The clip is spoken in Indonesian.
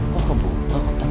kok kebutuh kotak kotak